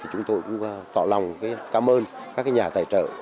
cũng tỏ lòng cảm ơn các nhà tài trợ